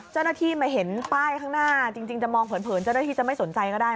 จ้านาธีมาเห็นป้ายข้างหน้าจะมองเผื่อจ้านาธีไม่สนใจก็ได้